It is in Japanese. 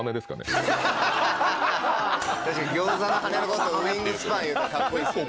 確かにギョーザのハネのことウイングスパンいうたらかっこいいですよね。